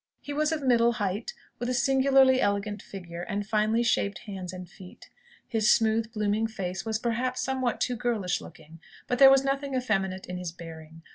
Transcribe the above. He was of middle height, with a singularly elegant figure, and finely shaped hands and feet. His smooth, blooming face was, perhaps, somewhat too girlish looking, but there was nothing effeminate in his bearing.